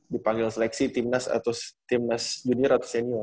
dipanggil seleksi timnas atau timnas junior atau senior